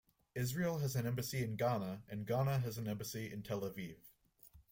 Israel has an embassy in Ghana and Ghana has an embassy in Tel Aviv.